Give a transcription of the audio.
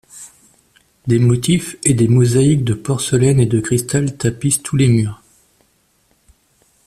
Des motifs et des mosaïques de porcelaine et de cristal tapissent tous les murs.